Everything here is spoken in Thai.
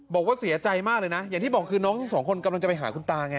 บอกว่าเสียใจมากเลยนะอย่างที่บอกคือน้องทั้งสองคนกำลังจะไปหาคุณตาไง